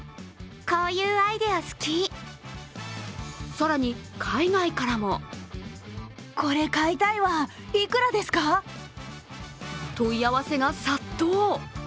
更に、海外からも問い合わせが殺到。